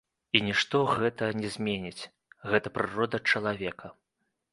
І нішто гэтага не зменіць, гэта прырода чалавека.